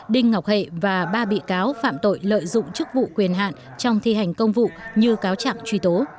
đinh ngọc hệ và ba bị cáo phạm tội lợi dụng chức vụ quyền hạn trong thi hành công vụ như cáo trạng truy tố